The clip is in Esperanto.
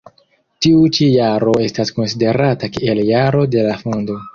Tiu ĉi jaro estas konsiderata kiel jaro de la fondo.